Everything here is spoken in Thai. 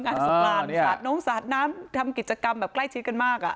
สงกรานสาดน้องสาดน้ำทำกิจกรรมแบบใกล้ชิดกันมากอ่ะ